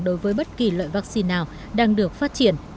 đối với bất kỳ loại vaccine nào đang được phát triển